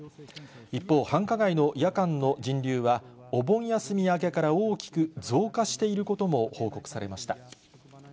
一方、繁華街の夜間の人流は、お盆休み明けから大きく増加していることも報告されました。